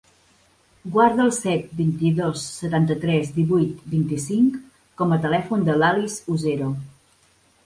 Guarda el set, vint-i-dos, setanta-tres, divuit, vint-i-cinc com a telèfon de l'Alice Usero.